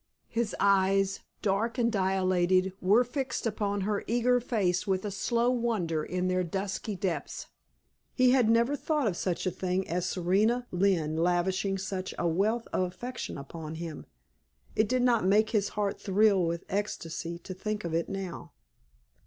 His eyes, dark and dilated, were fixed upon her eager face with a slow wonder in their dusky depths. He had never thought of such a thing as Serena Lynne lavishing such a wealth of affection upon himself. It did not make his heart thrill with ecstacy to think of it now.